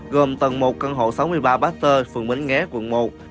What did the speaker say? gồm tầng một căn hộ sáu mươi ba baster phường mến nghé quận một